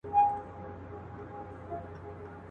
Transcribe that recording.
یو او دوه په سمه نه سي گرځېدلای.